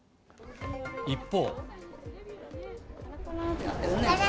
一方。